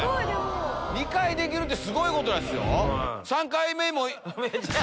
２回できるってすごいことですよ。